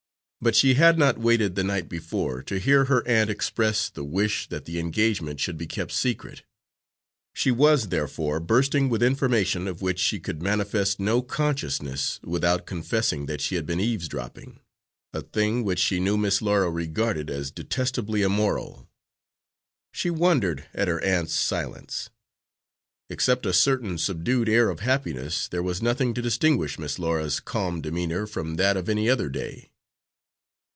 But she had not waited, the night before, to hear her aunt express the wish that the engagement should be kept secret. She was therefore bursting with information of which she could manifest no consciousness without confessing that she had been eavesdropping a thing which she knew Miss Laura regarded as detestably immoral. She wondered at her aunt's silence. Except a certain subdued air of happiness there was nothing to distinguish Miss Laura's calm demeanor from that of any other day.